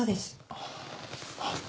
ああ。